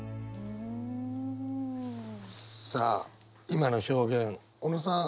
今の表現小野さん。